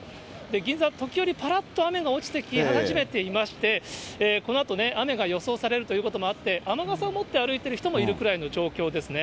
銀座は時折、ぱらっと雨が落ちてき始めていまして、このあと、雨が予想されるということもあって、雨傘を持って歩いている人もいるくらいの状況ですね。